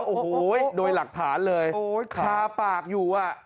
โอ้โหโดยหลักฐานเลยคาปากอยู่อ่ะ